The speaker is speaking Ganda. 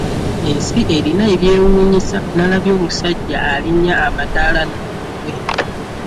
Ensi erina ebyewuunyisa nalabye omusajja alinnya amadaala n'omutwe.